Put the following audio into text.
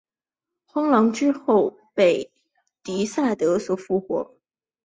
荒狼之后被狄萨德所复活。